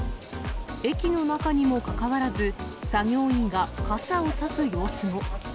駅の中にもかかわらず、作業員が傘を差す様子も。